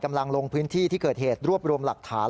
ลงพื้นที่ที่เกิดเหตุรวบรวมหลักฐาน